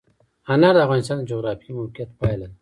انار د افغانستان د جغرافیایي موقیعت پایله ده.